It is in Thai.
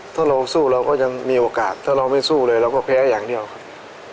ถ้าเราสู้เราก็ยังมีโอกาสถ้าเราไม่สู้เลยเราก็แพ้อย่างเดียวครับ